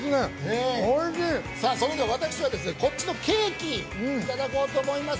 それでは私はこっちのケーキ、いただこうと思います。